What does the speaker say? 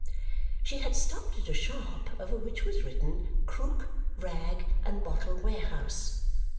She had stopped at a shop over which was written KROOK, RAG AND BOTTLE WAREHOUSE.